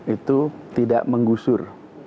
itu tidak menggusur